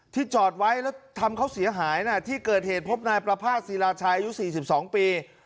จอดไว้แล้วทำเขาเสียหายนะที่เกิดเหตุพบนายประภาษณศิราชัยอายุ๔๒ปี